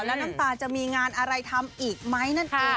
แล้วน้ำตาลจะมีงานอะไรทำอีกไหมนั่นเอง